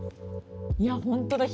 いや本当だ。